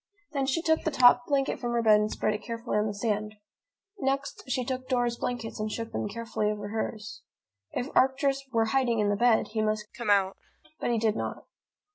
Then she took the top blanket from her bed and spread it carefully on the sand. Next, she took Dora's blankets and shook them carefully over hers. If Arcturus were hiding in the bed, he must come out. But he did not.